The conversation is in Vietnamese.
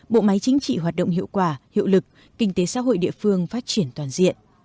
bộ máy chính trị hoạt động hiệu quả hiệu lực kinh tế xã hội địa phương phát triển toàn diện